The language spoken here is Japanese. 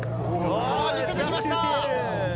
見せてきました。